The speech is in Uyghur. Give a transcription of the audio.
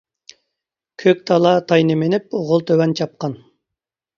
كۆك تالا تاينى مىنىپ، غول تۆۋەن چاپقان.